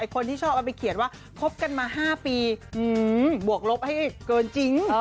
คนที่ชอบเอาไปเขียนว่าคบกันมา๕ปีบวกลบให้เกินจริง